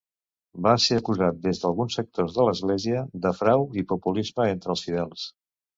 Va ser acusat, des d'alguns sectors de l'Església, de frau i populisme entre els fidels.